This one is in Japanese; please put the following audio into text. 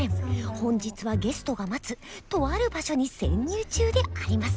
本日はゲストが待つとある場所に潜入中であります。